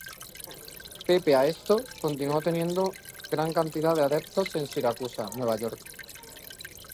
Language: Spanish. Pese a esto, continuó teniendo gran cantidad de adeptos en Siracusa, Nueva York.